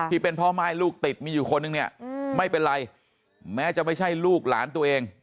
ที่เป็นพ่อม่ายลูกติดมีอยู่คนนึงเนี่ยไม่เป็นไรแม้จะไม่ใช่ลูกหลานตัวเอง